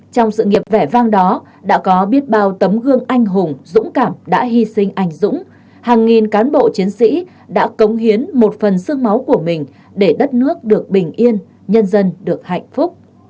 trong sự nghiệp vẻ vang đó đã có biết bao tấm gương anh hùng dũng cảm đã hy sinh anh dũng hàng nghìn cán bộ chiến sĩ đã cống hiến một phần sương máu của mình để đất nước được bình yên nhân dân được hạnh phúc